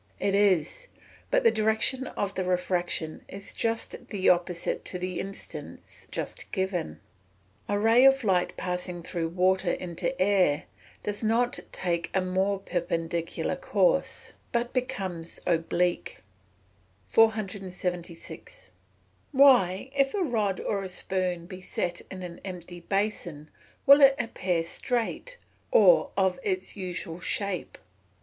_ It is; but the direction of the refraction is just the opposite to the instance just given; a ray of light passing through water into air, does not take a more perpendicular course, but becomes more oblique. [Illustration: Fig. 11.] 476. _Why, if a rod or a spoon be set in an empty basin, will it appear straight, or of its usual shape?